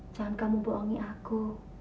jangan kamu bohongi aku